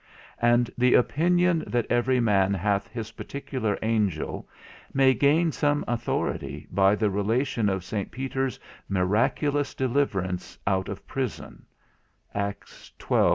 And the opinion that every man hath his particular angel may gain some authority by the relation of St. Peter's miraculous deliverance out of prison (Acts xii.